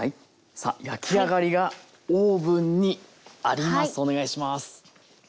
さあ焼き上がりがオーブンにあります。